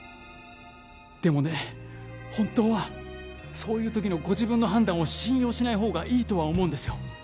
でもね本当はそういう時のご自分の判断を信用しない方がいいとは思うんですよ